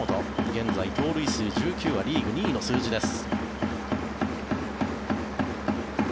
現在、盗塁数１９はリーグ２位の数字です。